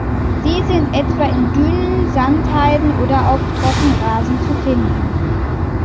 Sie sind etwa in Dünen, Sandheiden oder auf Trockenrasen zu finden.